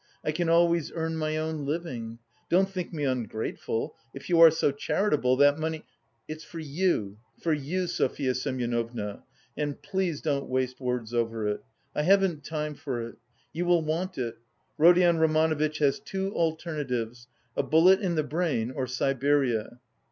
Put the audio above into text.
I can always earn my own living. Don't think me ungrateful. If you are so charitable, that money...." "It's for you, for you, Sofya Semyonovna, and please don't waste words over it. I haven't time for it. You will want it. Rodion Romanovitch has two alternatives: a bullet in the brain or Siberia."